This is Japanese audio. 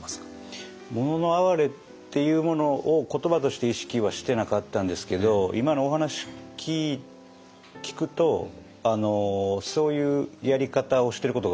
「もののあはれ」っていうものを言葉として意識はしてなかったんですけど今のお話聞くとそういうやり方をしてることが多いですね。